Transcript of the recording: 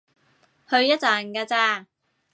去一陣㗎咋